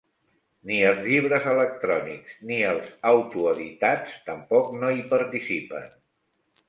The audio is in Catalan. Ni els llibres electrònics ni els autoeditats tampoc no hi participen.